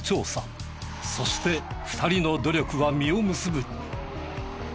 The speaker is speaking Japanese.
そして２人の努力は実を結ぶ。